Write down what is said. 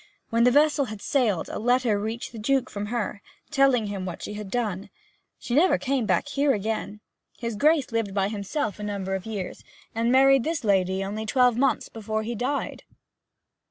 When the vessel had sailed a letter reached the Duke from her, telling him what she had done. She never came back here again. His Grace lived by himself a number of years, and married this lady only twelve months before he died.'